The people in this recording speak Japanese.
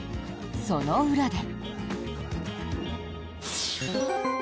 その裏で。